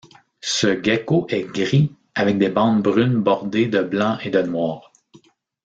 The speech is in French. Ce gecko est gris avec des bandes brunes bordées de blanc et de noir.